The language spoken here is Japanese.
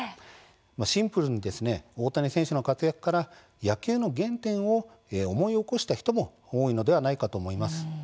シンプルに大谷選手の活躍から野球の原点を思い起こした人も多いのではないかと思います。